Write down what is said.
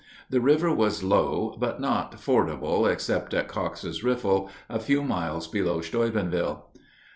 The river was low, but not fordable except at Coxe's Riffle, a few miles below Steubenville.